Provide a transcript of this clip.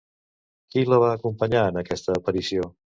Qui la va acompanyar en aquesta aparició?